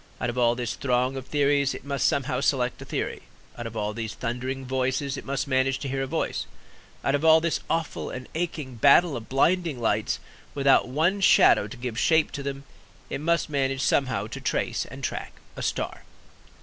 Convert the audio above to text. Out of all this throng of theories it must somehow select a theory; out of all these thundering voices it must manage to hear a voice; out of all this awful and aching battle of blinding lights, without one shadow to give shape to them, it must manage somehow to trace and to track a star.